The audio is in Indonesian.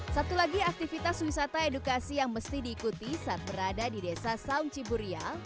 satu lagi aktivitas wisata edukasi yang mesti diikuti saat berada di desa saung ciburial